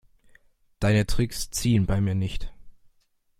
Deine Tricks ziehen bei mir nicht.